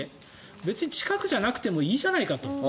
別に近くじゃなくてもいいじゃないかと。